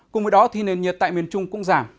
cùng với đó thì nền nhiệt tại miền trung cũng giảm